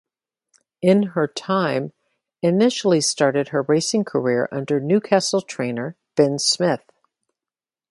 In Her Time initially started her racing career under Newcastle trainer Ben Smith.